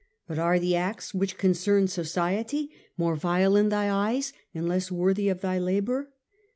But are the acts which concern society more vile in thy eyes and less worthy of thy labour